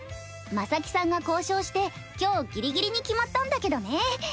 真咲さんが交渉して今日ギリギリに決まったんだけどね。